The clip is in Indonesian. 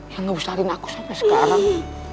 yang ngebesarin aku sampai sekarang